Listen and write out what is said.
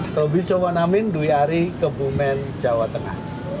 tobi soe wanamin dwi ari kebumen jawa tengah